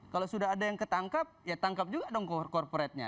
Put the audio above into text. kalau sudah ada yang ketangkap ya tangkap juga dong korporatnya